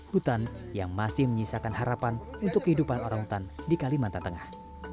hutan yang masih menyisakan harapan untuk kehidupan orang hutan di kalimantan tengah